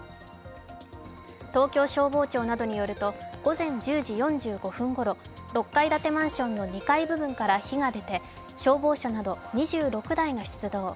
東京消防庁などによると午前１０時４５分ごろ６階建てマンションの２階部分から火が出て消防車など２６台が出動。